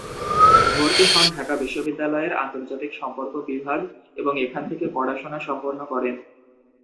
ভর্তি হন ঢাকা বিশ্ববিদ্যালয়ের আন্তর্জাতিক সম্পর্ক বিভাগ এবং এখান থেকে পড়াশোনা সম্পন্ন করেন।